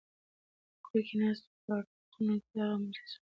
کور کې ناست وراره یې په خونه کې دغه توره مجسمه ولیده.